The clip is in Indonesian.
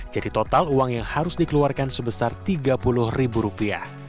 total uang yang harus dikeluarkan sebesar tiga puluh ribu rupiah